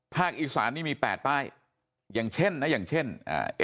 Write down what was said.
อีสานนี่มีแปดป้ายอย่างเช่นนะอย่างเช่นอ่า